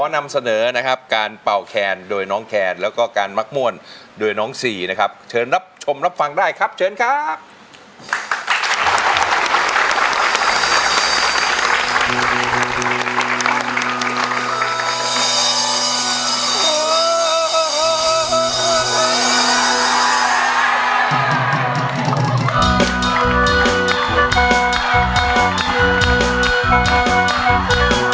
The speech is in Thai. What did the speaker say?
นำเสนอนะครับการเป่าแคนโดยน้องแคนแล้วก็การมักม่วนโดยน้องซีนะครับเชิญรับชมรับฟังได้ครับเชิญครับ